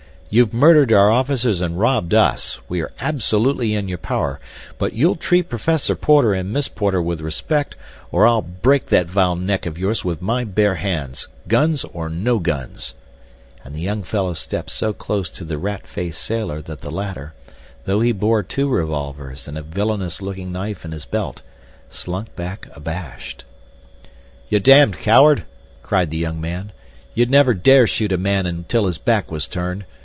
"You've murdered our officers and robbed us. We are absolutely in your power, but you'll treat Professor Porter and Miss Porter with respect or I'll break that vile neck of yours with my bare hands—guns or no guns," and the young fellow stepped so close to the rat faced sailor that the latter, though he bore two revolvers and a villainous looking knife in his belt, slunk back abashed. "You damned coward," cried the young man. "You'd never dare shoot a man until his back was turned.